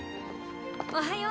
おはよう。